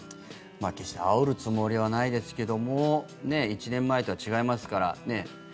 決して、あおるつもりはないですけども１年前とは違いますから。